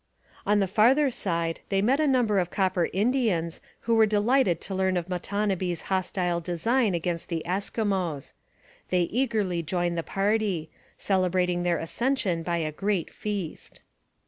On the farther side, they met a number of Copper Indians who were delighted to learn of Matonabbee's hostile design against the Eskimos. They eagerly joined the party, celebrating their accession by a great feast.